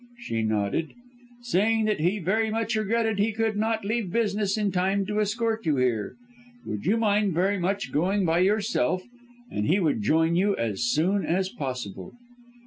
"She nodded. "'Saying that he very much regretted he could not leave business in time to escort you here. Would you mind very much going by yourself, and he would join you as soon as possible.'